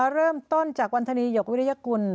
เริ่มต้นจากวันธนีหยกวิริยกุล